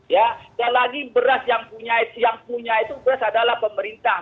ya sekali lagi beras yang punya itu beras adalah pemerintah